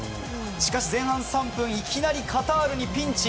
しかし前半３分、いきなりカタールにピンチ。